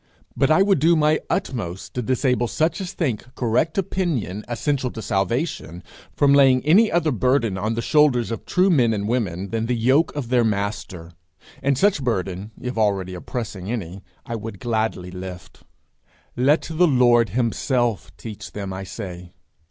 But I would do my utmost to disable such as think correct opinion essential to salvation from laying any other burden on the shoulders of true men and women than the yoke of their Master; and such burden, if already oppressing any, I would gladly lift. Let the Lord himself teach them, I say.